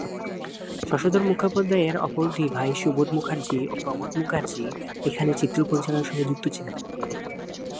শশধর মুখোপাধ্যায়ের অপর দুই ভাই সুবোধ মুখার্জী ও প্রবোধ মুখার্জী এখানে চিত্র পরিচালনার সঙ্গে যুক্ত ছিলেন।